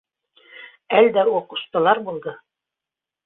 Әлдә у ҡустылар булды!